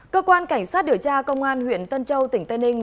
cơ quan cảnh sát điều tra công an huyện tân châu tỉnh tây ninh